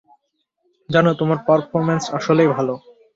জানো, তোমার পারফরম্যান্স আসলেই ভালো।